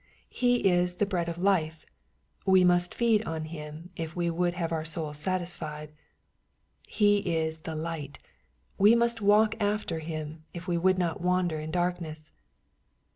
He is the bread of life : we must feed on Him, if we would have our souls satisfied. He is the light : we must walk after Him, if we would not wander in darkness.